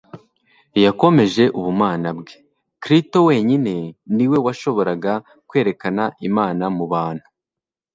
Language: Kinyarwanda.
yakomeje ubumana bwe. Krito wenyine ni we washoboraga kwerekana Imana mu bantu,